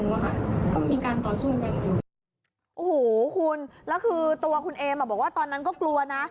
โอ้ฮู้ล่ะคือตัวคุณเอมอ่ะบอกว่าตอนนั้นก็กลัวนะ